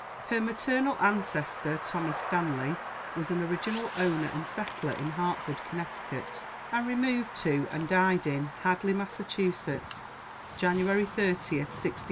Her maternal ancestor, Thomas Stanley, was an original owner and settler in Hartford, Connecticut, and removed to, and died in, Hadley, Massachusetts, January 30, 1662 3.